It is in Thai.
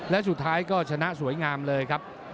และสุดท้ายก็ชนะสวยงามเลยครับ